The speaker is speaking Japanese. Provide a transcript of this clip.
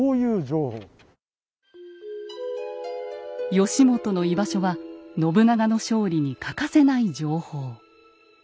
義元の居場所は信長の勝利に欠かせない情報。